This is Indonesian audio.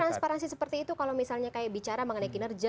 transparansi seperti itu kalau misalnya kayak bicara mengenai kinerja